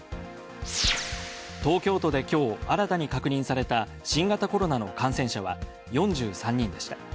東京都で今日、新たに確認された新型コロナの感染者は４３人でした。